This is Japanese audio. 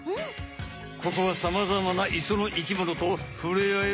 ここはさまざまな磯の生きものとふれあえる